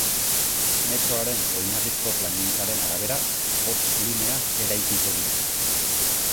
Metroaren oinarrizko plangintzaren arabera, bost linea eraikiko dira.